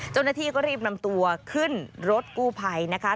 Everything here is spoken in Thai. เจ้าหน้าที่ก็รีบนำตัวขึ้นรถกู้ภัยนะคะ